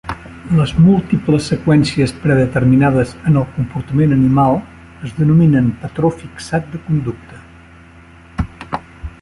Les múltiples seqüències predeterminades en el comportament animal es denominen patró fixat de conducta.